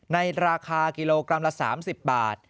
ในราคากิโลกรัมละ๓๐บาท